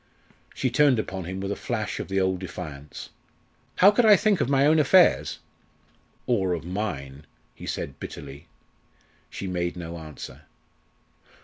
She turned upon him with a flash of the old defiance. "How could I think of my own affairs?" "Or of mine?" he said bitterly. She made no answer.